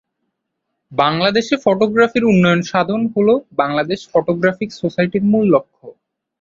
বাংলাদেশে ফটোগ্রাফির উন্নয়ন সাধন হলো বাংলাদেশ ফটোগ্রাফিক সোসাইটির মূল লক্ষ্য।